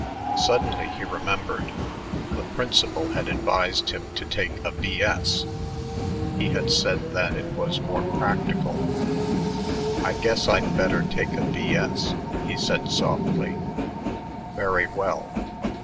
Suddenly he remembered: the principal had advised him to take a B.S.; he had said that it was more practical. "I guess I'd better take a B.S.," he said softly. "Very well."